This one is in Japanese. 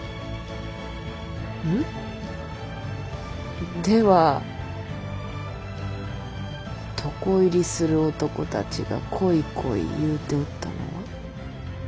ん？では床入りする男たちが「恋恋」言うておったのは。